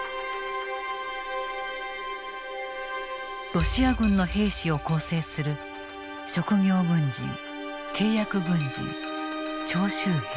ロシア軍の兵士を構成する職業軍人契約軍人徴集兵。